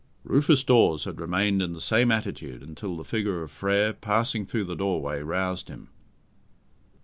Rufus Dawes had remained in the same attitude until the figure of Frere, passing through the doorway, roused him.